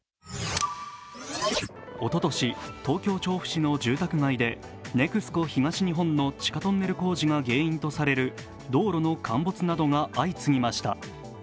おととし東京・調布市の住宅街でＮＥＸＣＯ東日本の地下トンネル工事が原因とされる道路の陥没などが相次ぎました。